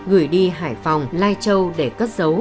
gửi đi hải phòng lai châu để cất dấu